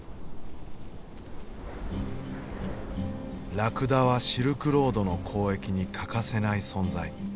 ラクダはシルクロードの交易に欠かせない存在。